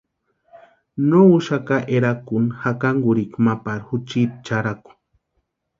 No úxaka erakuni jakankurhikwa ma pari juchiti charhaku.